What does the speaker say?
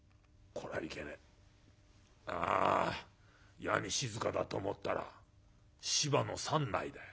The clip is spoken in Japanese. いやに静かだと思ったら芝の山内だよ。